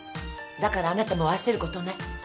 だからあなたも焦ることない。